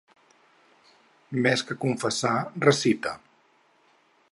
Més que confessar, recita.